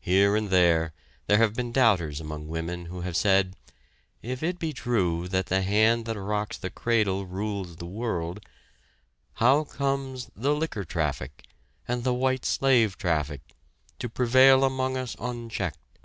Here and there, there have been doubters among women who have said: "If it be true that the hand that rocks the cradle rules the world, how comes the liquor traffic and the white slave traffic to prevail among us unchecked?